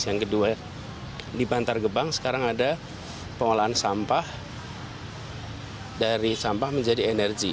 yang kedua di bantar gebang sekarang ada pengolahan sampah dari sampah menjadi energi